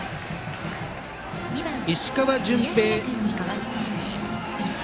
石川純平。